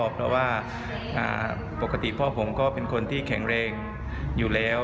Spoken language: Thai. เพราะว่าปกติพ่อผมก็เป็นคนที่แข็งแรงอยู่แล้ว